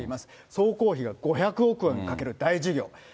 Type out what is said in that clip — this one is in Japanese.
総工費が５００億円かける大事業。